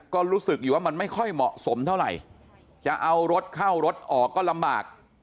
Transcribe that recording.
ก็รู้สึกอยู่ว่ามันไม่ค่อยเหมาะสมเท่าไหร่จะเอารถเข้ารถออกก็ลำบาก